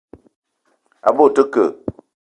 A ve o te ke ?